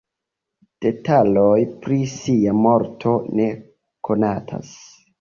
Detaloj pri ŝia morto ne konatas.